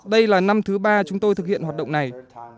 đây là năm thứ ba chúng tôi thực hiện hoạt động này